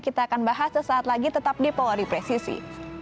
kita akan bahas sesaat lagi tetap di polri presisi